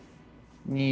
２。